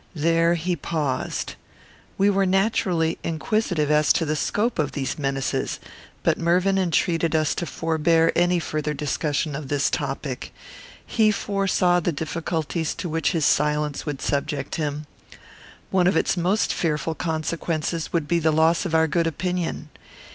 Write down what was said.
There he paused. We were naturally inquisitive as to the scope of these menaces; but Mervyn entreated us to forbear any further discussion of this topic. He foresaw the difficulties to which his silence would subject him. One of its most fearful consequences would be the loss of our good opinion.